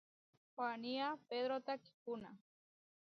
Huanía Pegró takihpúna.